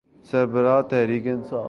سربراہ تحریک انصاف۔